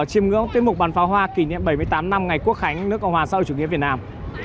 chiêm ngưỡng tiết mục bắn pháo hoa kỷ niệm bảy mươi tám năm ngày quốc khánh nước cộng hòa sau chủ nghĩa việt nam